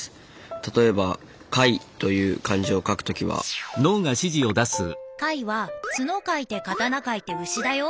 例えば「解」という漢字を書く時は解は「角」書いて「刀」書いて「牛」だよ。